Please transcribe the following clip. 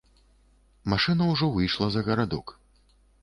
Машына ўжо выйшла за гарадок.